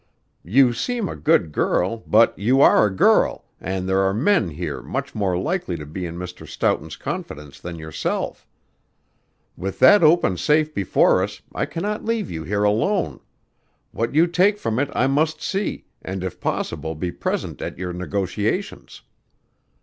You seem a good girl, but you are a girl, and there are men here much more likely to be in Mr. Stoughton's confidence than yourself. With that open safe before us I cannot leave you here alone. What you take from it I must see, and if possible be present at your negotiations.